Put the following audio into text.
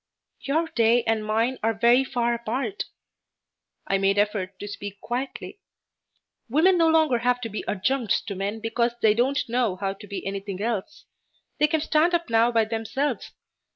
"Your day and mine are very far apart." I made effort to speak quietly. "Women no longer have to be adjuncts to men because they don't know how to be anything else. They can stand up now by themselves.